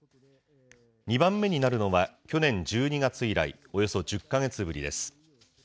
２番目になるのは去年１２月以来、およそ１０か月ぶりです。